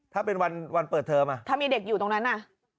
ถ้าเป็นวันเปิดเทอมอ่ะถ้ามีเด็กอยู่ตรงนั้นน่ะ